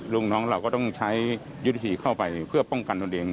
ลูกน้องเราก็ต้องใช้ยุทธวิธีเข้าไปเพื่อป้องกันตนเอง